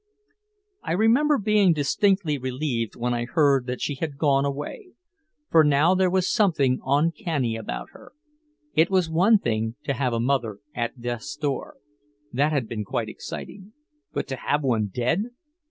I remember being distinctly relieved when I heard that she had gone away. For now there was something uncanny about her. It was one thing to have a mother "at death's door." That had been quite exciting. But to have one dead!